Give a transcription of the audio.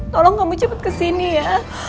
tolong kamu cepat kesini ya